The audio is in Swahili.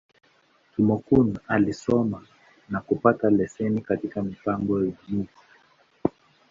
Kúmókụn alisomea, na kupata leseni katika Mipango ya Miji.